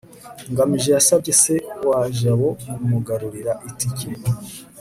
ngamije yasabye se wa jabo kumugurira itike